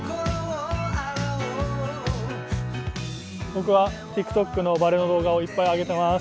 僕はＴｉｋＴｏｋにバレー動画をいっぱいあげてます。